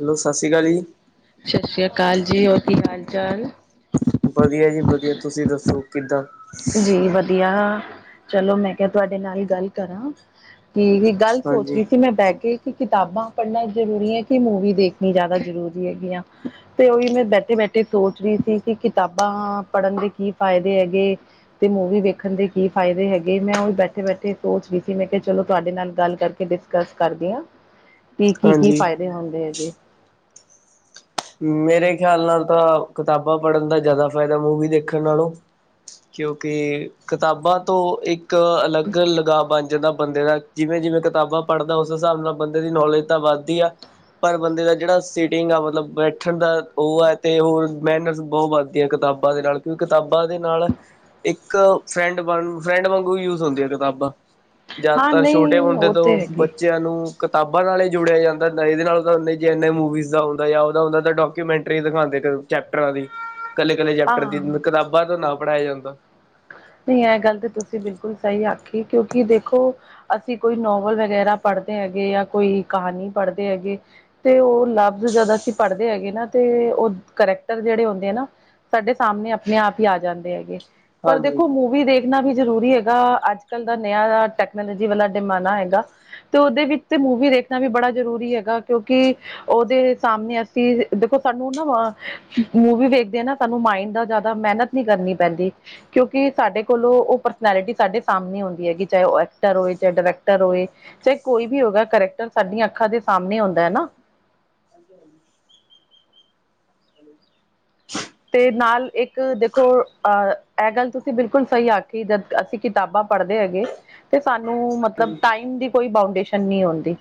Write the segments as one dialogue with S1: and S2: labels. S1: Hello ਸਤਿ ਸ੍ਰੀ ਅਕਾਲ ਜੀ
S2: ਸਤਿ ਸ੍ਰੀ ਅਕਾਲ ਜੀ ਹੋਰ ਕੀ ਹਾਲ ਚਾਲ
S1: ਵਧੀਆ ਜੀ ਵਧੀਆ ਤੁਸੀਂ ਦੱਸੋ ਕਿੱਦਾਂ
S2: ਜੀ ਵਧੀਆ ਚਲੋ ਮੈਂ ਕਿਹਾ ਤੁਹਾਡੇ ਨਾਲ ਗੱਲ ਕਰਾਂ ਇਕ ਗੱਲ ਸੋਚ
S1: ਹਾਂਜੀ
S2: ਰਹੀ ਸੀ ਮੈਂ ਬਹਿ ਕੇ ਕਿਤਾਬਾਂ ਪੜ੍ਹਨਾ ਜ਼ਰੂਰੀ ਹੈ ਕਿ ਮੂਵੀ ਦੇਖਣੀ ਜ਼ਿਆਦਾ ਜ਼ਰੂਰੀ ਹੈਗੀ ਆ ਤੇ ਉਹੀ ਮੈਂ ਬੈਠੇ ਬੈਠੇ। ਸੋਚ ਰਹੀ ਸੀ ਕਿ ਕਿਤਾਬਾਂ ਪੜ੍ਹਨ ਦੇ ਕੀ ਫਾਇਦੇ ਹੈਗੇ ਤੇ ਮੂਵੀ ਵੇਖਣ ਦੇ ਕੀ ਫਾਇਦੇ ਹੈਗੇ ਮੈਂ ਉਹੀ ਬੈਠੇ ਬੈਠੇ ਸੋਚ ਵੀ ਸੀ ਮੈਂ ਕਿਹਾ ਚਲੋ ਤੁਹਾਡੇ ਨਾਲ ਗੱਲ ਕਰਕੇ। ਡਿਸਕਸ ਕਰਦੀ ਹਾਂ ਕਿ ਕੀ ਕੀ
S1: ਹਾਂਜੀ
S2: ਫਾਇਦੇ ਹੁੰਦੇ ਇਹਦੇ।
S1: ਮੇਰੇ ਖਿਆਲ ਨਾਲ ਤਾਂ ਕਿਤਾਬਾਂ ਪੜ੍ਹਨ ਦਾ ਜ਼ਿਆਦਾ ਫ਼ਾਇਦਾ ਮੂਵੀ ਦੇਖਣ ਨਾਲੋਂ। ਕਿਉਂਕਿ ਕਿਤਾਬਾਂ ਤੋਂ ਇੱਕ ਅਲੱਗ ਲਗਾਵ ਬਣ ਜਾਂਦਾ ਹੈ। ਬੰਦੇ ਦਾ ਜਿਵੇਂ ਜਿਵੇਂ ਕਿਤਾਬਾਂ ਪੜ੍ਹਦਾ ਉਸ ਹਿਸਾਬ ਨਾਲ ਬੰਦੇ ਦੀ ਨੌਲੇਜ ਤਾਂ ਵੱਧਦੀ ਆ ਪਰ ਬੰਦੇ ਦਾ ਜਿਹੜਾ। ਸੀਟਿੰਗ ਆ ਮਤਲਬ। ਬੈਠਣ ਦਾ ਉਹ ਹੈ ਤੇ ਹੋਰ ਮਨਰਸ ਬਹੁਤ ਵੱਧਦੀ ਹੈ। ਕਿਤਾਬਾਂ ਦੇ ਨਾਲ ਕਿਉਂਕਿ ਕਿਤਾਬਾਂ ਦੇ ਨਾਲ। ਇੱਕ ਫਰੈਂਡ ਵਾਂਗੂੰ ਫਰੈਂਡ ਵਾਂਗੂ ਯੂਜ ਹੁੰਦੀ ਆ ਕਿਤਾਬਾਂ।
S2: ਹਾਂ
S1: ਜ਼ਿਆਦਾਤਰ ਛੋਟੇ
S2: ਨਹੀਂ
S1: ਮੁੰਡੇ
S2: ਉਹ ਤੇ
S1: ਤੋਂ
S2: ਹੈਗੇ
S1: ਬੱਚਿਆਂ ਨੂੰ। ਕਿਤਾਬਾਂ ਨਾਲ ਹੀ ਜੁੜਿਆ ਜਾਂਦਾ ਹੁੰਦਾ ਇਹਦੇ ਨਾਲ ਤਾਂ ਜੇ ਐਨੇ ਮੂਵੀਜ਼ ਦਾ ਆਉਂਦਾ ਆ। ਹੁੰਦਾ ਉਹ ਤਾਂ ਡਾਕੂਮੈਂਟਰੀ ਦਿਖਾਉਂਦੇ ਚੈਪਟਰਾਂ ਦੀ ਕੱਲੇ ਕੱਲੇ ਚੈਪਟਰ ਦੀ
S2: ਹਾਂ
S1: ਕਿਤਾਬਾਂ ਤੋਂ ਨਾ। ਪੜ੍ਹਾਇਆ ਜਾਂਦਾ ਹੈ।
S2: ਨਹੀਂ ਇਹ ਗੱਲ ਤਾਂ ਤੁਸੀਂ ਬਿਲਕੁਲ ਸਹੀ ਆਖੀ ਕਿਉਂਕਿ ਦੇਖੋ ਅਸੀਂ ਕੋਈ ਨੋਵਲ ਵਗੈਰਾ ਪੜ੍ਹਦੇ ਹੈਗੇ ਜਾਂ ਕੋਈ ਕਹਾਣੀ ਪੜ੍ਹਦੇ ਹੈਗੇ ਤੇ ਉਹ ਲਫ਼ਜ਼। ਜਦੋ ਅਸੀਂ ਪੜ੍ਹਦੇ ਹੈਗੇ ਨਾ ਤੇ ਉਹ ਕਰੈਕਟਰ ਜਿਹੜੇ ਹੁੰਦੇ ਆ ਨਾ। ਸਾਡੇ ਸਾਹਮਣੇ ਆਪਣੇ ਆਪ ਹੀ ਆ ਜਾਂਦੇ ਹੈਗੇ। ਪਰ
S1: ਹਾਂਜੀ।
S2: ਦੇਖੋ ਮੂਵੀ ਦੇਖਣਾ ਵੀ ਜ਼ਰੂਰੀ ਹੈ। ਜਿਹੜਾ ਅੱਜ ਕੱਲ੍ਹ ਦਾ ਨਿਆ ਟੈਕਨੋਲੋਜੀ ਵਾਲਾ ਜ਼ਮਾਨਾ ਹੈਗਾ ਤੇ ਉਹਦੇ ਵਿੱਚ ਤੇ ਮੂਵੀ ਦੇਖਣਾ ਵੀ ਬੜਾ। ਜ਼ਰੂਰੀ ਹੈਗਾ ਕਿਉਂਕਿ ਉਹਦੇ ਸਾਹਮਣੇ ਅਸੀਂ ਦੇਖੋ ਸਾਨੂੰ ਨਾ ਮੂਵੀ। ਵੇਖਦੇ ਹਾਂ ਨਾ ਸਾਨੂੰ ਮਾਈਡ ਦਾ ਜ਼ਿਆਦਾ ਮਿਹਨਤ ਨੀ ਕਰਨੀ ਪੈਂਦੀ ਹੈ। ਕਿਉਂਕਿ ਸਾਡੇ ਕੋਲੋਂ ਉਹ ਪਰਸਨੈਲਿਟੀ ਸਾਡੇ ਸਾਹਮਣੇ ਆਉਂਦੀ ਹੈਗੀ ਚਾਹੇ ਉਹ ਐਕਟਰ ਹੋਏ, ਚਾਹੇ ਡਾਇਰੈਕਟਰ ਹੋਏ। ਚਾਹੇ ਕੋਈ ਵੀ ਹੋਗਾ ਕਰੈਕਟਰ ਸਾਡੀਆਂ ਅੱਖਾਂ ਦੇ ਸਾਹਮਣੇ ਆਉਂਦਾ ਹੈ ਨਾ।
S1: ਹਾਂਜੀ ਹਾਂਜੀ। ਹੈਲੋ।
S2: ਨਾਲ ਇੱਕ ਦੇਖੋ ਅਹ ਇਹ ਗੱਲ ਤੁਸੀਂ ਬਿਲਕੁਲ ਸਹੀ ਆਖੀ ਜਦ ਅਸੀਂ ਕਿਤਾਬਾਂ। ਪੜ੍ਹਦੇ ਹੈਗੇ ਤੇ ਸਾਨੂੰ ਮਤਲਬ ਟਾਈਮ ਦੀ ਕੋਈ ਬਾਊਂਡੇਸ਼ਨ। ਨਹੀਂ ਆਉਂਦੀ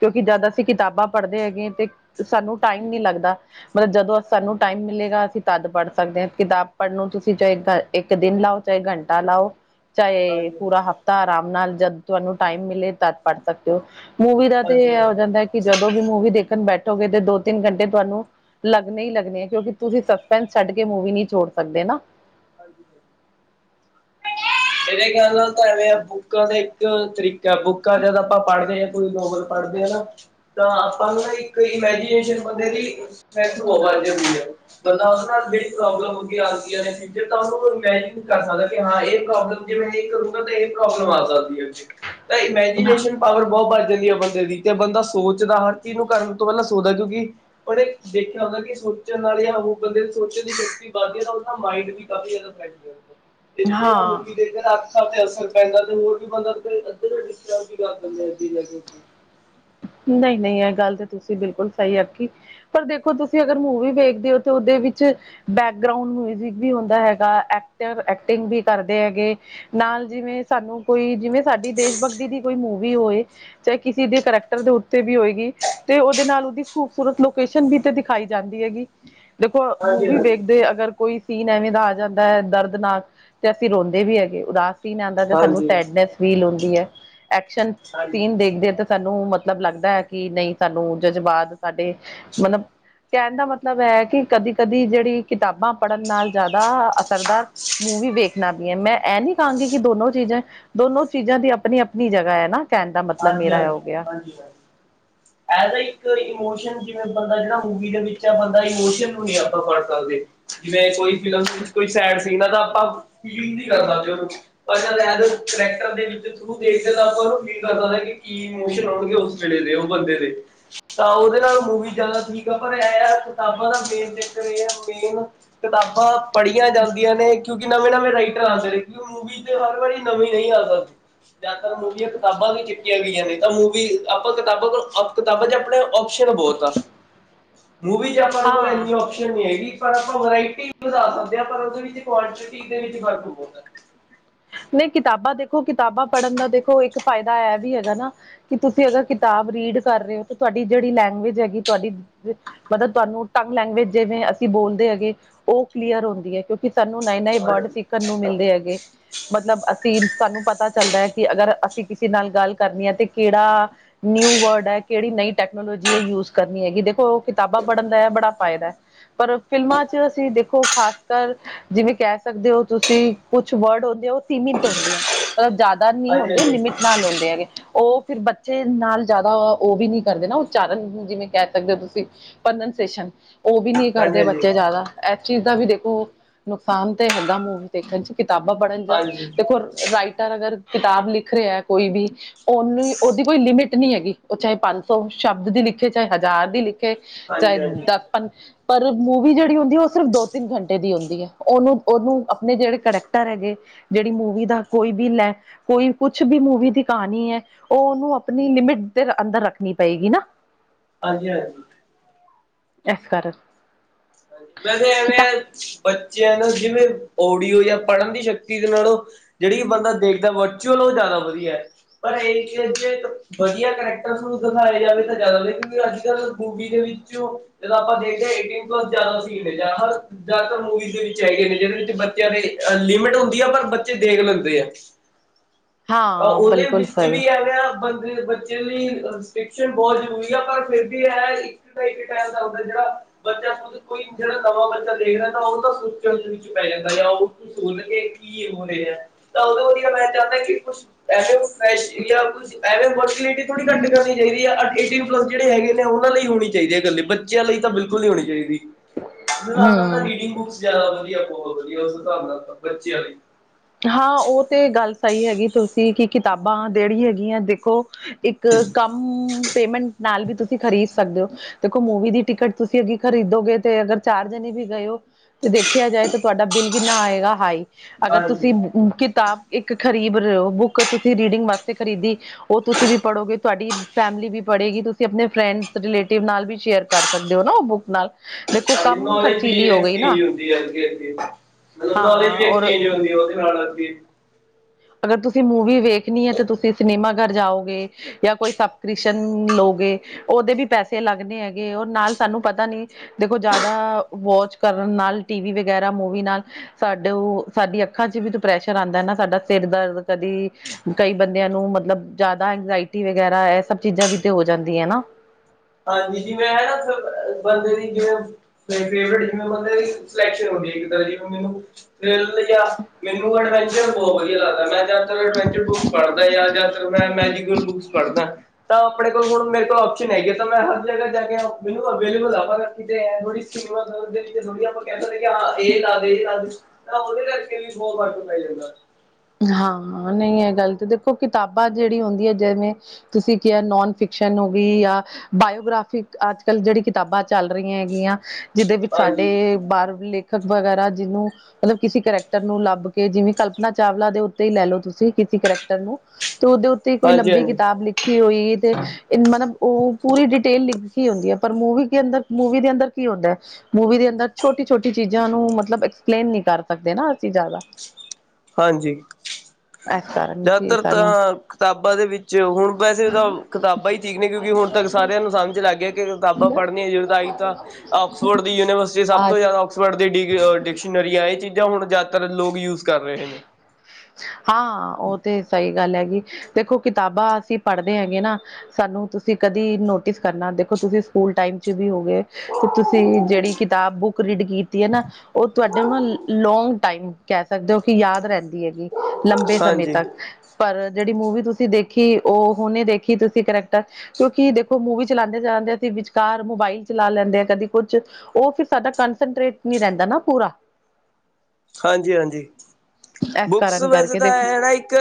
S2: ਕਿਉਂਕਿ ਜਦ ਅਸੀਂ ਕਿਤਾਬਾਂ ਪੜ੍ਹਦੇ ਹੈਗੇ ਤੇ ਸਾਨੂੰ ਟਾਈਮ ਨੀ ਲੱਗਦਾ। ਮਤਲਬ ਜਦੋਂ ਸਾਨੂੰ ਟਾਈਮ ਮਿਲੇਗਾ ਅਸੀਂ। ਤਦ ਪੜ੍ਹ ਸਕਦੇ ਹਾਂ ਕਿਤਾਬ ਪੜ੍ਹਨ ਨੂੰ ਤੁਸੀਂ ਚਾਹੇ ਇੱਕ ਦਿਨ ਲਾਓ ਚਾਹੇ ਘੰਟਾ ਲਾਓ। ਚਾਹੇ
S1: ਹਾਂਜੀ-ਹਾਂਜੀ,
S2: ਪੂਰਾ ਹਫ਼ਤਾ ਆਰਾਮ ਨਾਲ ਜਦ ਤੁਹਾਨੂੰ ਟਾਈਮ ਮਿਲੇ ਤਦ ਪੜ੍ਹ ਸਕਦੇ ਹੋ? ਮੂਵੀ ਦਾ ਤੇ ਇਹ ਹੋ
S1: ਹਾਂਜੀ-ਹਾਂਜੀ।
S2: ਜਾਂਦਾ ਹੈ ਕਿ ਜਦੋਂ ਵੀ ਮੂਵੀ ਦੇਖਣ ਬੈਠੋਗੇ। ਤੇ ਦੋ ਤਿੰਨ ਘੰਟੇ ਤੁਹਾਨੂੰ ਲੱਗਣੇ ਹੀ ਲੱਗਣੇ ਆ ਕਿਉਂਕਿ ਤੁਸੀਂ । ਪਿੰਨ ਛੱਡ ਕੇ ਮੂਵੀ ਨਹੀਂ ਛੋੜ ਸਕਦੇ ਨਾ।
S1: ਹਾਂਜੀ। ਮੇਰੇ ਕਹਿਣ ਦਾ ਤਾਂ ਐਵੇਂ ਆ ਬੁੱਕਾਂ ਦਾ ਇੱਕ ਤਰੀਕਾ ਬੁੱਕਾਂ ਜਦ ਆਪਾਂ ਪੜ੍ਹਦੇ ਹਾਂ। ਕੋਈ ਨੋਵਲ ਪੜ੍ਹਦੇ ਆ ਨਾ, ਤਾਂ ਆਪਾਂ ਨੂੰ ਇੱਕ ਇਮੈਜੀਨੇਸ਼ਨ ਬੰਦੇ ਦੀ ਏਦਾਂ ਦੀ ਹੁੰਦੀ ਹੈ, ਬੰਦਾ ਉਸ ਨਾਲ ਜਿਹੜੀ ਪ੍ਰੋਬਲਮ ਹੁੰਦੀਆਂ ਆਦੀਆਂ ਨੇ। ਜਿਹਦਾ ਮੈਂ ਉਹਨੂੰ ਈਮੈਜੀਨ ਕਰ ਸਕਦਾ, ਵੀ ਹਾਂ ਇਹ ਪ੍ਰੋਬਲਮ ਕਿਵੇਂ ਆ ਇੱਕ ਜਗਾ ਇਹੀ ਪ੍ਰੋਬਲਮ ਆ ਸਕਦੀ ਹੈ। ਤਾਂ ਇਮੈਜਨੇਸ਼ਨ ਪਾਵਰ ਬਹੁਤ ਵਾਰੀ। ਜਾਂਦੀ ਹੈ, ਬੰਦੇ ਦੀ ਤੇ ਬੰਦਾ ਸੋਚਦਾ ਹਰ ਚੀਜ਼ ਨੂੰ ਕਰਨ ਤੋਂ ਪਹਿਲਾਂ ਸੋਚਦਾ ਕਿਉਂਕਿ ਉਹਨੇ ਦੇਖਿਆ ਹੁੰਦਾ ਕਿ? ਸੋਚਣ ਵਾਲੇ ਉਹ ਬੰਦੇ ਸੋਚਣ ਦੀ ਸ਼ਕਤੀ ਵੱਧਦੀ ਹੈ, ਉਹ ਮਾਈਡ ਵੀ। ਕਾਫੀ ਜ਼ਿਆਦਾ ਇਹ ਦੀ ਜਗ੍ਹਾ
S2: ਹਾਂ
S1: ਮੂਵੀ । ਤੇ ਅਸਰ ਪੈਂਦਾ ਤੇ ਹੋਰ ਵੀ ਬੰਦਾ ਅੱਧੇ ਤੋਂ ਜਲਦੀ ਕਰ ਦਿੰਦੇ ਆ।
S2: ਨਹੀਂ-ਨਹੀਂ ਇਹ ਗੱਲ ਤਾਂ ਤੁਸੀਂ ਬਿਲਕੁਲ, ਸਹੀ ਆਖੀ ਪਰ ਦੇਖੋ ਤੁਸੀਂ ਅਗਰ ਮੂਵੀ ਵੇਖਦੇ ਹੋ ਤਾਂ ਉਹਦੇ। ਵਿੱਚ ਬੈਕਗਰਾਊਂਡ ਮਿਊਜਿਕ ਵੀ ਹੁੰਦਾ ਹੈਗਾ, ਐਕਟਰ ਐਕਟਿੰਗ ਵੀ ਕਰਦੇ ਹੈਗੇ। ਨਾਲ ਜਿਵੇਂ ਸਾਨੂੰ ਕੋਈ ਜਿਵੇਂ, ਸਾਡੀ ਦੇਸ਼ ਭਗਤੀ ਦੀ ਕੋਈ ਮੂਵੀ ਹੋਏ, ਚਾਹੇ ਕਿਸੇ ਦੇ ਕ ਦੇ ਉੱਤੇ ਵੀ ਹੋਏਗੀ, ਤੇ ਉਹਦੇ ਨਾਲ ਉਹਦੀ ਖੂਬਸੂਰਤ ਲੋਕੇਸ਼ਨ ਵੀ ਤੇ ਦਿਖਾਈ ਜਾਂਦੀ ਹੈਗੀ। ਦੇਖੋ
S1: ਹਾਂਜੀ
S2: ਮੂਵੀ
S1: ਹਾਂਜੀ
S2: ਵੇਖਦੇ ਅਗਰ, ਕੋਈ ਸੀਨ ਐਵੇਂ ਦਾ ਆ ਜਾਂਦਾ ਹੈ, ਦਰਦਨਾਕ ਤੇ ਅਸੀਂ ਰੋਂਦੇ ਵੀ ਹੈਗੇ ਉਦਾਸ ਸੀਨ ਆਦਾ ਤੇ ਸਾਨੂੰ
S1: ਹਾਂਜੀ ਹਾਂਜੀ
S2: ਸੈਡਨੈਸ ਫੀਲ ਹੁੰਦੀ ਐ, ਐਕਸ਼ਨ ਸੀਨ ਦੇਖਦੇ ਤੇ ਸਾਨੂੰ ਮਤਲਬ ਲੱਗਦਾ ਹੈ, ਕਿ ਨਹੀਂ ਸਾਨੂੰ ਜਜ਼ਬਾਤ ਸਾਡੇ ਮਤਲਬ ਕਹਿਣ ਦਾ ਮਤਲਬ ਹੈ, ਕਿ ਕਦੀ ਕਦੀ ਜਿਹੜੀ ਕਿਤਾਬਾਂ ਪੜ੍ਹਨ ਨਾਲ ਜ਼ਿਆਦਾ ਅਸਰਦਾਰ ਵੀ ਵੇਖਣਾ ਵੀ ਹੈ ਮੈਂ ਇਹ ਨੀ ਕਹਾਂਗੀ, ਕਿ ਦੋਨੋ ਚੀਜ਼ਾਂ ਦੋਨੋ ਚੀਜ਼ਾਂ ਦੀ ਆਪਣੀ ਆਪਣੀ ਜਗ੍ਹਾ ਹੈ ਨਾ, ਕਹਿਣ ਦਾ ਮਤਲਬ ਮੇਰਾ ਔ ਗਿਆ।
S1: ਐ ਇੱਕ ਇਮੋਸ਼ਨ ਜਿਵੇਂ, ਬੰਦਾ ਜਿਹੜਾ ਮੂਵੀ ਦੇ ਵਿੱਚ ਬੰਦਾ ਇਮੋਸ਼ਨ ਨੂੰ ਨਹੀਂ ਆਪਾਂ ਫੜ ਸਕਦੇ। ਜਿਵੇਂ ਕੋਈ ਫਿਲਮ ਵਿੱਚ ਕੋਈ ਸੈਡ ਸੀਨ ਆ ਤਾਂ ਆਪਾਂ ਫੀਲ ਨਹੀਂ ਕਰਨਾ ਉਹਨੂੰ ਪਰ ਕਰੈਕਟਰ ਦੇ ਵਿੱਚ ਥਰੂ ਦੇਖਦੇ ਤਾਂ ਆਪਾਂ ਉਹਨੂੰ ਫੀਲ ਕਰ ਸਕ ਕਿ ਕੀ ਇਮੋਸ਼ਨ ਹੋਣਗੇ ਉਸ ਵੇਲੇ ਦੇ ਬੰਦੇ ਦੇ, ਤਾਂ ਉਹਦੇ ਨਾਲ ਮੂਵੀ ਜ਼ਿਆਦਾ ਠੀਕ ਆ ਪਰ ਐ ਕਿਤਾਬਾਂ ਦਾ ਮੇਨ ਚਕਰ ਐ ਹੈ, ਕਿਤਾਬਾਂ ਪੜ੍ਹੀਆਂ ਜਾਂਦੀਆਂ ਨੇ, ਕਿਉਂਕਿ ਨਵੇਂ-ਨਵੇਂ ਰਾਈਟਰ ਆਦੇ ਨੇ, ਕਿ ਮੂਵੀ ਤੇ ਹਰ ਵਾਰੀ ਨਵੇ ਨਹੀਂ ਆ ਸਕਦੇ, ਜ਼ਿਆਦਾਤਰ ਮੂਵੀਆਂ ਕਿਤਾਬਾਂ ਵੀ ਕੀਤੀਆਂ ਗਈਆਂ ਨੇ ਤਾਂ ਮੂਵੀ ਆਪਾਂ ਕਿਤਾਬਾਂ ਕਿਤਾਬਾਂ ਚ ਆਪਣੇ ਆਪਓਸ਼ਨ ਬਹੁਤ ਆ, ਮੂਵੀ ਚ ਆਪਾਂ ਕੋਲ
S2: ਹਾਂ
S1: ਇੰਨੀ ਓਸ਼ਨ ਨੀ ਹੈਗੀ। ਪਰ ਆਪਾਂ ਵਰਾਇਟੀ ਵਧਾ ਸਕਦੇ ਹਾਂ, ਪਰ ਉਹਦੇ ਵਿੱਚ ਕੁਆਂਟਿਟੀ ਦੇ ਵਿੱਚ ਫ਼ਰਕ ਪ
S2: ਨਹੀਂ ਕਿਤਾਬਾਂ ਦੇਖੋ ਕਿਤਾਬਾਂ ਪੜ੍ਹਨ ਦਾ ਦੇਖੋ, ਇੱਕ ਫਾਇਦਾ ਇਹ ਵੀ ਹੈਗਾ ਨਾ ਕਿ ਤੁਸੀਂ ਅਗਰ ਕਿਤਾਬ ਰੀਡ ਕਰ ਰਹੇ ਹੋ ਤੇ ਤੁਹਾਡੀ ਜਿਹੜੀ ਲੈਂਗੁਏਜ ਹੈਗੀ ਐ, ਤੁਹਾਡੀ ਮਤਲਬ ਤੁਹਾਨੂੰ ਟੰਗ ਲੈਂਗੁਏਜ ਜਿਵੇਂ ਅ ਬੋਲਦੇ ਹੈਗੇ, ਉਹ ਕਲੀਅਰ ਹੁੰਦੀ ਹੈ ਕਿਉਂਕਿ ਸਾਨੂੰ ਨਏ-ਨਏ ਵਰਡ
S1: ਹਾਂਜੀ
S2: ਸਿੱਖਣ ਨੂੰ ਮਿਲਦੇ ਹੈਗੇ। ਮਤਲਬ ਅਸੀਂ ਸਾਨੂੰ ਪਤਾ ਚੱਲਦਾ ਹੈ ਕਿ, ਅਗਰ ਅਸੀਂ ਕਿਸੇ ਨਾਲ ਗੱਲ ਕਰਨੀ ਹੈ ਤੇ ਕਿਹੜਾ ਨਿਊ ਵਰਡ ਹੈ ਕਿਹੜੀ ਨਈ ਟੈਕਨੋਲੋਜੀ ਏ, ਯੂਜ ਕਰਨੀ ਹੈਗੀ ਦੇਖੋ ਉਹ ਕਿਤਾਬਾਂ ਪੜ੍ਹਨ ਦਾ ਹੈ ਬੜਾ ਫਾਇਦਾ ਪਰ ਫਿਲਮਾਂ ਚ ਅਸੀਂ ਦੇਖੋ ਖਾਸ ਕਰ ਜਿਵੇਂ ਕਹਿ ਸਕਦੇ ਹੋ ਤੁਸੀਂ ਕੁਛ ਵਰਡ ਹੁੰਦੇ ਔ, ਸੀਮਿਤ ਹੁੰਦੇ ਹੈ, ਮਤਲਬ ਜ਼ਿਆਦਾ ਨਹੀਂ ਹੁੰਦੇ
S1: ਹਾਂਜੀ
S2: ਲਿਮਿਟ ਨਾਲ ਹੁੰਦੇ ਹੈ ਗੇ ਉਹ ਫਿਰ ਬੱਚੇ ਨਾਲ ਜ਼ਿਆਦਾ ਉਹ ਵੀ ਨੀ ਕਰਦੇ ਨਾ ਉਚਾਰਨ ਜਿਵੇਂ, ਕਹਿ ਸਕਦੇ ਹੋ ਤੁਸੀਂ ਪ੍ਰਨੇਸ਼ਨ ਉਹ ਵੀ ਨੀ
S1: ਹਾਂਜੀ
S2: ਕਰਦੇ ਬੱਚੇ
S1: ਹਾਂਜੀ
S2: ਜ਼ਿਆਦਾ ਇਸ ਚੀਜ਼ ਦਾ ਵੀ ਦੇਖੋ, ਨੁਕਸਾਨ ਤਾਂ ਹੈਗਾ ਮੂਵੀ ਦੇਖਣ ਚ, ਕਿਤਾਬਾਂ ਪੜ੍ਹਨ ਜਾ
S1: ਹਾਂਜੀ ਹਾਂਜੀ
S2: ਦੇਖੋ ਰਾਈਟਰ ਅਗਰ, ਕਿਤਾਬ ਲਿਖ ਰਿਹਾ, ਕੋਈ ਵੀ ਉਹਨੂੰ ਉਹਦੀ ਕੋਈ ਲਿਮਿਟ ਨੀ ਹੈਗੀ ਉਹ ਚਾਹੇ ਪੰਜ ਸੌ ਸ਼ਬਦ ਦੀ, ਲਿਖੇ ਚਾਹੇ ਹਜ਼ਾਰ ਦੀ ਲਿਖੇ ਚਾਹੇ
S1: ਹਾਂਜੀ
S2: ਦਸ ਪੰ ਪਰ ਮੂਵੀ ਜਿਹੜੀ ਹੁੰਦੀ ਹੈ, ਉਹ ਸਿਰਫ ਦੋ ਤਿੰਨ ਘੰਟੇ ਦੀ ਹੁੰਦੀ ਹੈ, ਉਹਨੂੰ-ਉਹਨੂੰ ਆਪਣੇ ਜਿਹੜੇ ਕਰੈਕਟਰ ਹੈਗੇ। ਜਿਹੜੀ ਮੂਵੀ ਦਾ ਕੋਈ ਵੀ ਲੈ ਕੋਈ ਕੁਛ ਵੀ ਮੂਵੀ ਦੀ ਕਹਾਣੀ ਹੈ, ਉਹ ਉਹਨੂੰ ਆਪਣੀ ਲਿਮਿਟ ਤੇ ਅੰਦਰ ਰੱਖਣੀ ਪਏਗੀ ਨਾ,
S1: ਹਾਂਜੀ ਹਾਂਜੀ
S2: ਇਸ ਕਰ
S1: ਹਾਂਜੀ, ਬਸ ਐਵੇਂ ਬੱਚਿਆਂ ਨੂੰ ਜਿਵੇਂ ਓਡੀਓ ਜਾਂ ਪੜ੍ਹਨ ਦੀ ਸ਼ਕਤੀ ਦੇ ਨਾਲੋਂ, ਜਿਹੜੀ ਬੰਦਾ ਦੇਖਦਾ ਵਰਚੁਅਲ ਜ਼ਿਆਦਾ ਵਧੀਆ, ਪਰ ਇਹ ਵਧੀਆ ਕਰੈਕਟਰ ਦਿਖਾਇਆ ਜਾਵੇ ਤਾਂ ਜ਼ਿਆਦਾ ਵਧੀਆ ਕਿਉਂਕਿ ਅੱਜ ਮੂਵੀ ਦੇ ਵਿੱਚੋਂ ਜਦੋਂ ਆਪਾਂ ਦੇਖਦੇ ਆ ਜ਼ਿਆਦਾ ਸੀ ਜ਼ਿਆਦਾਤਰ ਮੂਵੀਜ਼ ਦੇ ਵਿੱਚ ਹੈਗੇ, ਨੇ ਜਿਹਦੇ ਵਿੱਚ ਬੱਚਿਆਂ ਦੇ ਲਿਮਿਟ ਹੁੰਦੀ ਆ ਪਰ ਬੱਚੇ ਦੇਖ ਲੈਂਦੇ ਆ।
S2: [inaudible]
S1: ਤਾਂ
S2: ਹਾਂ
S1: ਉਹਦੇ
S2: ਬਿਲਕੁਲ
S1: ਵਿੱਚ
S2: ਸਹੀ
S1: ਵੀ ਇਹ ਨਾ ਬੰ ਬੱਚੇ ਲਈ ਸ ਬਹੁਤ ਜ਼ਰੂਰੀ ਹੈ ਪਰ ਫਿਰ ਵੀ ਇਹ ਇੱਕ ਇੱਕ ਟਮ ਜਿਹੜਾ ਬੱਚਾ ਸੁ ਜਿਹੜਾ ਨਵਾਂ ਬੱਚਾ ਦੇਖ ਰਿਹਾ ਤਾਂ ਉਹ ਤਾਂ ਸੁਚਣ ਵਿੱਚ ਪੈ ਜਾਂਦਾ ਆ ਉਹ ਸੁਣ ਕੇ ਕੀ ਹੋ ਰਿਹਾ ਤਾਂ ਉਦੋਂ ਵਧੀਆ ਮੈਂ ਚਾਹੁੰਦਾ ਕਿ ਕੁਛ ਐਵੇਂ ਜਾਂ ਕੁਛ ਐਵੇਂ ਥੋੜੀ ਘੱ ਕਰਨੀ ਚਾਹੀ ਹੈ ਆ ਏਟੀਨ ਪਲੱਸ ਜਿਹੜ ਹੈਗੇ ਨੇ ਉਹ ਲਈ ਹੋਣੀ ਚਾਹੀ ਹੈ ਇਕੱਲੇ ਬੱਚਿਆਂ ਲਈ ਤਾਂ ਬਿਲਕੁ ਹੋਣੀ ਚਾਹੀਦੀ ਮੂੰਦਾ
S2: ਹਮ
S1: ਰੀਡਿੰਗ ਬੁੱਕਸ ਜ਼ਿਆਦਾ ਵਧੀਆ ਹੈ ਬਹੁਤ ਵਧੀਆ ਉਸ ਹਿਸਾਬ ਨਾਲ ਬੱਚਿਆਂ ਲਈ
S2: ਹਾਂ ਉਹ ਤੇ ਗੱਲ ਸਹੀ ਹੈਗੀ ਤੁਸੀਂ ਕਿ ਕਿਤਾਬਾਂ ਜਿਹੜੀ ਹੈਗੀਆਂ ਦੇਖੋ ਇੱਕ ਕੰਮ ਪੇਮੈਂਟ ਨਾਲ ਵੀ ਤੁਸੀਂ ਖਰੀਦ ਸਕਦੇ ਹੋ ਦੇਖੋ ਮੂਵੀ ਦੀ ਟਿਕਟ ਤੁਸੀਂ ਅਗੇ ਖਰੀਦੋਗੇ ਤੇ ਅਗਰ ਚਾਰ ਜਣੇ ਵੀ ਗਏ ਓ ਤੇ ਦੇਖਿਆ ਜਾਏ ਤਾਂ ਤੁਹਾਡਾ ਬਿੱਲ ਕਿੰਨਾ ਆਏਗਾ ਹਾਈ ਅਗਰ
S1: ਹਾਂਜੀ
S2: ਤੁਸੀਂ ਕਿਤਾਬ ਇੱਕ ਖ਼ਰੀਦ ਰਹੇ ਹੋ ਬੁੱਕ ਤੁਸੀਂ ਰੀਡਿੰਗ ਵਾਸਤੇ ਖਰੀਦੀ ਉਹ ਤੁਸੀਂ ਵੀ ਪੜੋਗੇ ਤੁਹਾਡੀ ਫੈਮਿਲੀ ਵੀ ਪੜੇਗੀ ਤੁਸੀਂ ਆਪਣੇ ਫਰੈਂਡਸ ਰਿਲੇਟਿਵ ਨਾਲ ਵੀ ਸ਼ੇਅਰ ਕਰ ਸਕਦੇ ਹੋ ਨਾ ਉਹ ਬੁੱਕ ਨਾਲ ਦੇਖੋ ਕੰਮ
S1: ਨੌਲੇਜ
S2: ਖਰਚੀਲੀ ਹੋ ਗਈ ਨਾ
S1: ਵੀਂ ਹੁੰਦੀ ਅ [unintelligible] ਮਤਲਬ ਨੌਲੇਜ
S2: ਹਾਂ
S1: ਵੀ
S2: ਔਰ
S1: ਐਕਸਚੇਂਜ ਹੁੰਦੀ ਉਹਦੇ ਨਾਲ ਵ
S2: ਅਗਰ ਤੁਸੀਂ ਮੂਵੀ ਵੇਖਣੀ ਹੈ ਤਾਂ ਤੁਸੀਂ ਸਿਨੇਮਾ ਘਰ ਜਾਓਗੇ ਜਾਂ ਕੋਈ ਸਬਕ੍ਰਿਸ਼ਨ ਲੋ ਉਹਦੇ ਵੀ ਪੈਸੇ ਲੱਗਣੇ ਹੈਗੇ ਨਾਲ ਸਾਨੂੰ ਪਤਾ ਨੀ ਦੇਖੋ ਜ਼ਿਆਦਾ ਵੋਚ ਕਰ ਨਾਲ ਟੀ ਵੀ ਵਗੈਰਾ ਮੂਵੀ ਨਾਲ ਸਾਡੇ ਸਾਡੀ ਅੱਖਾਂ ਚ ਵੀ ਪ੍ਰੈਸ਼ਰ ਆਉਂਦਾ ਨਾ ਸਾਡਾ ਸਿਰ ਦਰਦ ਕਦੀ ਕਈ ਬੰਦਿਆਂ ਨੂੰ ਮਤਲਬ ਜ਼ਿਆਦਾ ਇੰਗਜਾਇਟੀ ਵਗੈਰਾ ਇਹ ਸਭ ਚੀਜ਼ਾਂ ਵੀ ਤੇ ਹੋ ਜਾ ਜਾਂਦੀ ਹੈ ਨਾ
S1: ਹਾਂਜੀ ਜਿਵੇਂ ਹੈ ਨਾ ਬੰਦੇ ਦੀ ਜਿਵੇ ਫੇਵਰਟ ਜਿਵੇਂ ਬੰਦੇ ਦੀ ਸਿਲੈਕਸ਼ਨ ਹੋ ਮੈਨੂੰਥ ਮੈਨੂੰ ਐਡਵੈਂਚਰ ਬਹੁਤ ਵਧੀਆ ਲੱਗਦਾ ਮੈਂ [unintelligible] ਪੜ੍ਹਦਾ ਜਾਂ ਜਾਂ ਫਿਰ ਮੈਂ ਮੈਜੀਕਲ ਬੁਕਸ ਪੜਦਾ ਤਾਂ ਆਪਣੇ ਕੋਲ ਹੁਣ ਮੇਰੇ ਕੋਲ ਓਸ਼ਨ ਹੈਗੇ ਮੈਂ ਹਰ ਜਗ੍ਹਾ ਜਾ ਕੇ ਮੈਨੂੰ ਅਵੇਲੇਬਲ ਆ ਪਰ ਕਿਤੇ ੋੜੀਮ ਥੋੜੀ ਆਪਾਂ ਕਹਿ ਸਕਦੇ ਇਹ ਲੱਦੇ ਇਹ ਲੱਦੇ ਉਹਦੇ ਕਰਕੇ ਵੀ ਬਹੁਤ ਵੱਟ ਪੈ ਜਾਂਦਾ
S2: ਹਾਂ ਨਹੀਂ ਇਹ ਗੱਲ ਤੇ ਦੇਖੋ ਕਿਤਾਬਾਂ ਜਿਹੜੀ ਹੁੰਦੀ ਹੈ ਜਿਵੇਂ ਤੁਸੀਂ ਕਿਹਾ ਨੋਨ ਫਿਕ ਹੋ ਗਈ ਜਾਂ ਬਾਇਓਗ੍ਰਾਫਿਕ ਅੱਜ ਕੱਲ ਜਿਹੜੀ ਕਿਤਾਬਾਂ ਚੱਲ ਰਹੀਆਂ ਹੈਗੀਆਂ ਜਿਹਦੇ ਵਿੱਚ ਸਾਡੇ
S1: ਹਾਂਜੀ
S2: ਬਾਹਰਲੇ ਲ ਵਗੈਰਾ ਜਿਹਨੂੰ ਮਤਲਬ ਕਿਸੇ ਕਰੈਕਟਰ ਨੂੰ ਲੱਭ ਕੇ ਜਿਵੇਂ ਕਲਪਨਾ ਚਾਵਲਾ ਦੇ ਉੱਤੇ ਹੀ ਲੈ ਲਓ ਤੁਸੀਂ ਕਿਸੇ ਕਰੈਕਟਰ ਨੂੰ ਤੇ ਉਹਦੇ ਉੱਤੇ ਕੋਈ
S1: ਹਾਂਜੀ-ਹਾਂਜੀ,
S2: ਲੰਬੀ ਕਿਤਾਬ ਲਿਖੀ ਹੋਈ ਤੇ ਮਤਲਬ ਉਹ ਪੂਰੀ ਡਿਟੇਲ ਲਿਖ ਹੁੰਦੀ ਹੈ ਪਰ ਮੂਵੀ ਅੰਦਰ ਮੂਵੀ ਦੇ ਅੰਦਰ ਕੀ ਹੁੰਦਾ ਹੈ ਮੂਵੀ ਦੇ ਅੰਦਰ ਛੋਟੀ ਛੋਟੀ ਚੀਜ਼ਾਂ ਨੂੰ ਮਤਲਬ ਐਕਸਪਲੇਨ ਨਹੀਂ ਕਰ ਸਕਦੇ ਨਾ ਅਸੀਂ ਜ਼ਿਆਦਾ
S1: ਹਾਂਜੀ
S2: ਇਸ ਕਾਰਨ ਕਿ
S1: ਜ਼ਿਆਦਾਤਰ
S2: ਸਾਨੂੰ
S1: ਤਾਂ ਕਿਤਾਬਾਂ ਦੇ ਵਿੱਚ ਹੁਣ ਵੈਸੇ ਤਾਂ ਕਿਤਾਬਾਂ ਹੀ ਠੀਕ ਨੇ ਕਿਉਂਕਿ ਹੁਣ ਤੱਕ ਸਾਰੇ ਨੂੰ ਸਮਝ ਲੱਗ ਗਿਆ ਕਿਤਾਬਾਂ
S2: ਹੁੰਦਾ
S1: ਪੜ੍ਹੀਆਂ ਜ਼ਰੂਰ ਆਈ ਤਾਂ ਆਕਸਫੋਰਡ ਦੀ ਯੂਨੀਵਰਸਿਟੀ ਸਭ
S2: ਆ
S1: ਤੋਂ ਜ਼ਿਆਦਾ ਆਕਸਫੋਰਡ ਡ ਡਿਕਸ਼ਨਰੀਆਂ ਇਹ ਚੀਜ਼ਾਂ ਹੁਣ ਜ਼ਿਆਦਾਤਰ ਲੋਕ ਯੂਜ ਕਰ ਰਹੇ ਨੇ
S2: ਹਾਂ ਉਹ ਤੇ ਸਹੀ ਗੱਲ ਹੈਗੀ ਦੇਖੋ ਕਿਤਾਬਾਂ ਅਸੀਂ ਪੜ੍ਹਦੇ ਹੈਗੇ ਨਾ ਸਾਨੂੰ ਤੁਸੀਂ ਕਦੀ ਨੋਟਿਸ ਕਰਨਾ ਦੇਖੋ ਤੁਸੀਂ ਸਕੂਲ ਟਾਈਮ ਚ ਵੀ ਹੋ ਗਏ ਤੇ ਤੁਸੀਂ ਜਿਹੜੀ ਕਿਤਾਬ ਬੁੱਕ ਰੀਡ ਕੀਤੀ ਹੈ ਨਾ ਉਹ ਤੁਹਾਡੇ ਨਾ ਲੋਂਗ ਟਾਈਮ ਕਹਿ ਸਕਦੇ ਹੋ ਕਿ ਯਾਦ ਰਹਿੰਦੀ ਹੈਗੀ ਲੰਬੇ ਸਮੇਂ
S1: ਹਾਂਜੀ,
S2: ਤੱਕ ਪਰ ਜਿਹੜੀ ਮੂਵੀ ਤੁਸੀਂ ਦੇਖੀ ਉਹ ਹੁਨੇ ਦੇਖੀ ਤੁਸੀਂ ਕਰੈਕਟਰ ਕਿਉਂਕਿ ਦੇਖੋ ਮੂਵੀ ਚਲਾਉਂਦੇ ਜਾਂਦੇ ਸੀਸੀ ਵਿਚਕਾਰ ਮੋਬਾਈਲ ਚਲਾ ਲੈਂਦੇ ਆ ਕਦੇ ਕੁਛ ਉਹ ਫਿਰ ਸਾਡਾ ਕੰਸਟਰੇਟ ਨਹੀਂ ਰਹਿੰਦਾ ਨਾ ਪੂਰਾ [inaudible]
S1: ਹਾਂਜੀ ਹਾਂਜੀ
S2: ਇਸ
S1: ਬੁੱਕਸ
S2: ਕਾਰਨ
S1: ਵੈਸੇ
S2: ਕਰਕੇ
S1: ਤਾਂ
S2: ਦੇਖੋ
S1: ਹੈ ਨਾ ਇੱਕ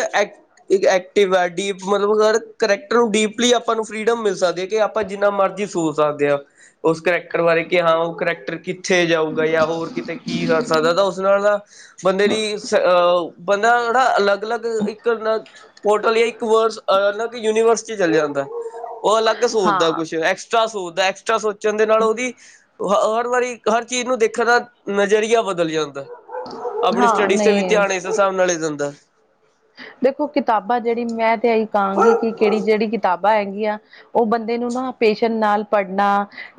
S1: ਐਕਟਿਵ ਆ ਡੀਪ ਮਤਲਬ ਹਰ ਕਰੈਕਟਰ ਨੂੰ ਡੀਪਲੀ ਆਪਾਂ ਨੂੰ ਫਰੀਡਮ ਮਿਲ ਸਕਦੀ ਹੈ, ਕਿ ਆਪਾਂ ਜਿੰਨਾ ਮਰਜ਼ੀ ਸੋਚ ਸਕਦੇ ਹਾਂ। ਉਸ ਕਰੈਕਟਰ ਬਾਰੇ, ਕਿ ਹਾਂ ਉਹ ਕਰੈਕਟਰ ਕ ਕਿੱਥੇ ਜਾਊਗਾ? ਜਾਂ ਹੋਰ ਕਿਤੇ ਕੀ ਕਰ ਸਕਦਾ, ਤਾਂ ਉਸ ਨਾਲ ਨਾ ਬੰਦੇ ਦੀ ਅਹ ਬੰਦਾ ਜੇੜਾ ਅਲੱਗ-ਅਲੱਗ ਇੱਕ ਪੋਰਟਲ ਜਾਂ ਇੱਕ ਵਰਲ ਯੂਨੀਵਰਸ ਚ ਚੱਲ ਜਾਂਦਾ। ਉਹ ਅਲੱਗ ਸੋਚਦਾ
S2: ਹਾਂ
S1: ਕੁਛ ਐਕਸਟਰਾ ਸੋਚਦਾ, ਐਕਸਟਰਾ ਸੋਚਣ ਦੇ ਨਾਲ ਉਹਦੀ ਹ ਹਰ ਵਾਰੀ ਹਰ ਚੀਜ਼ ਨੂੰ ਦੇਖਣ ਦਾ ਨਜ਼ਰੀਆ ਬਦਲ ਜਾਂਦਾ। ਆਪਣੀ
S2: ਹਾਂ
S1: ਸਟੱਡੀਜ਼ ਤੇ ਵੀ
S2: ਨਹੀਂ
S1: ਧਿਆਨ ਇਸ ਹਿਸਾਬ ਨਾਲ ਹੀ ਦਿੰਦਾ।
S2: ਦੇਖੋ ਕਿਤਾਬਾਂ ਜਿਹੜੀ ਮੈਂ ਤੇ ਇਹੀ ਕਹਾਂਗੀ, ਕਿ ਕਿਹੜੀ ਜਿਹੜੀ ਕਿਤਾਬਾਂ ਹੈਗੀਆਂ ਉਹ ਬੰਦੇ ਨੂੰ ਨਾ ਪੇਸ਼ਨ ਨਾਲ ਪੜ੍ਹਨਾ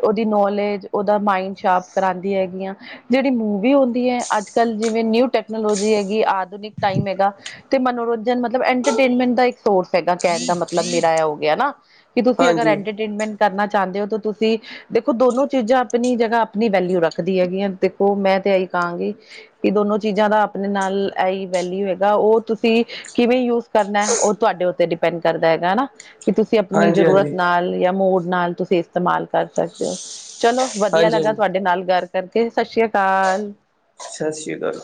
S2: ਉਹਦੀ ਨੌਲੇਜ ਉਹਦਾ ਮਾਈੰਡ, ਸ਼ਾਪ ਕਰਾਦੀ ਹੈਗੀਆਂ ਜਿਹੜੀ ਮੂਵੀ ਹੁੰਦੀ ਐ, ਅੱਜ-ਕੱਲ੍ਹ ਜਿਵੇਂ ਨਿਊ ਟੈਕਨੋਲੋਜੀ ਹੈਗੀ ਆਧੁਨਿਕ ਟਾਈਮ ਹੈਗਾ। ਤੇ ਮਨੋਰੰਜਨ ਮਤਲਬ ਐੰਟਰਟੇਨਮੈਂਟ ਦਾ ਇੱਕ ਸੋਰਸ ਹੈਗਾ, ਕਹਿਣ ਦਾ ਮਤਲਬ ਮੇਰਾ ਐ ਹੋ ਗਿਆ ਨਾ। ਕਿ ਤੁਸੀਂ ਅਗਰ
S1: ਹਾਂਜੀ
S2: ਐੰਟਰਟੇਨਮੈਂਟ, ਕਰਨਾ ਚਾਹੁੰਦੇ ਹੋ, ਤਾਂ ਤੁਸੀਂ ਦੇਖੋ ਦੋਨੋ ਚੀਜ਼ਾਂ ਆਪਣੀ ਜਗ੍ਹਾ ਆਪਣੀ ਵੈਲਿਊ ਰੱਖਦੀ ਹੈਗੀਆਂ ਦੇਖੋ ਮੈਂ, ਤੇ ਆਈ ਕਹਾਂਗੇ, ਕਿ ਦੋਨੋ ਚੀਜ਼ਾਂ ਦਾ ਆਪਣੇ ਨਾਲ ਆਈ ਵੈਲਿਊ ਹੈਗਾ, ਉਹ ਤੁਸੀਂ? ਤੁਸੀ ਕਿਵੇਂ ਯੂਜ ਕਰਨਾ, ਉਹ ਤੁਹਾਡੇ ਉੱਤੇ ਡਿਪੈਂਡ ਕਰਦਾ ਹੈਗਾ ਹਨਾ। ਕਿ ਤੁਸੀਂ ਆਪਣੀ
S1: ਹਾਂਜੀ
S2: ਜ਼ਰੂਰਤ
S1: ਹਾਂਜੀ
S2: ਨਾਲ ਜਾਂ ਮੋੜ ਨਾਲ ਤੁਸੀਂ ਇਸਤੇਮਾਲ ਕਰ ਸਕਦੇ ਹੋ, ਚਲੋ ਵਧੀਆ
S1: ਹਾਂਜੀ
S2: ਲੱਗਾ,
S1: ਹਾਂਜੀ
S2: ਤੁਹਾਡੇ ਨਾਲ ਗੱਲ ਕਰਕੇ ਸਤਿ ਸ਼੍ਰੀ ਅਕਾਲ।
S1: ਸਤਿ ਸ੍ਰੀ ਅਕਾਲ,